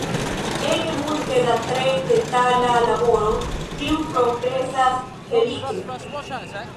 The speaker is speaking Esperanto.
Ege multe da tre detala laboro, kiu progresas helike.